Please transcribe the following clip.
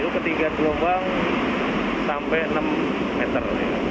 ketinggian gelombang sampai enam meter